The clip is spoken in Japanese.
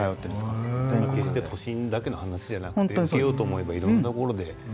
決して都心だけの話じゃなくて受けようと思えばいろんなところで。